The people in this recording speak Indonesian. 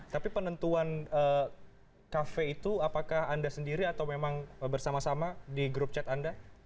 tapi penentuan kafe itu apakah anda sendiri atau memang bersama sama di grup chat anda